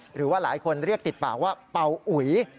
หรือว่าหลายคนเรียกติดปากว่าเป่าอุ๋ย